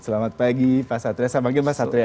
selamat pagi pak satria selamat pagi mas satria